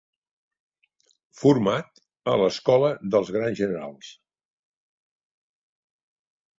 Format a l'escola dels grans generals.